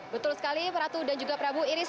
betul sekali ratu dan juga prabu iris